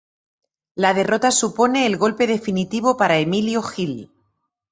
La derrota supone un golpe definitivo para Emilio Gil.